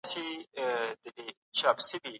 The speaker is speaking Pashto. د هيوادونو مشران سياسي اړيکي غښتلې کوي.